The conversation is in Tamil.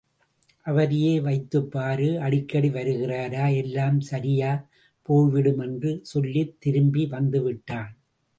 அவரையே வைத்துப்பாரு, அடிக்கடி வருகிறாரா? —எல்லாம் சரியாப் போய்விடும் — என்று சொல்லித் திரும்பி வந்துவிட்டான்.